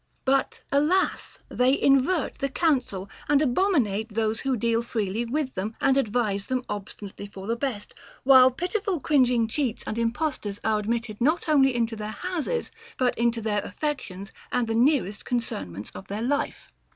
* .But alas ! they invert the counsel, and abominate those who deal freely with them and advise them obstinately for the best, whilst pitiful cringing cheats and impostors are admitted not only into their houses, but into their affec tions and the nearest concernments of their life.